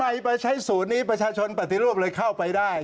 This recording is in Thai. ไปใช้ศูนย์นี้ประชาชนปฏิรูปเลยเข้าไปได้